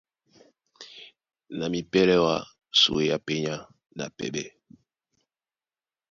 Na mipɛ́lɛ́ wǎ súe á pényá na pɛɓɛ.